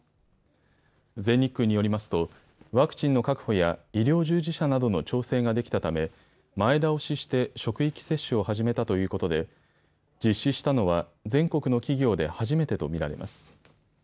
全日空によりますとワクチンの確保や医療従事者などの調整ができたため前倒しして職域接種を始めたということで実施したのは全国の企業で初めてと見られます。